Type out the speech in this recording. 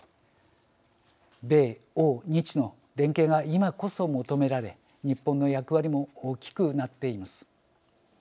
米欧日の連携が今こそ求められ日本の役割も大きくなっています。